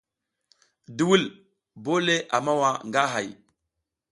Duwul bole a mawa nga hay.